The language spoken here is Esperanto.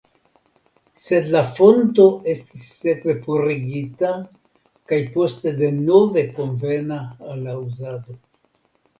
Sed la fonto estis sekve purigita kaj poste denove konvena al la uzado.